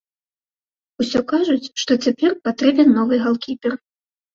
Усё кажуць, што цяпер патрэбен новы галкіпер.